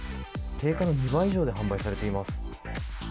定価の２倍以上で販売されています。